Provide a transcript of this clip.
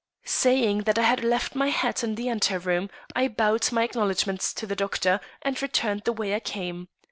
Saying that I had left my hat in the ante room, I bowed my acknowledgments to the doctor and returned the way I came.